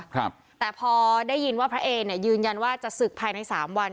ครับแต่พอได้ยินว่าพระเอเนี่ยยืนยันว่าจะศึกภายในสามวัน